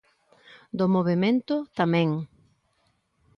Do movemento, tamén.